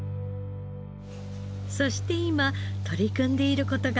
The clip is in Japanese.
そして今取り組んでいる事があります。